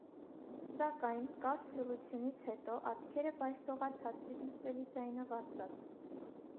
Սակայն, կարճ լռությունից հետո, աչքերը վայր թողած հազիվ լսելի ձայնով ասաց.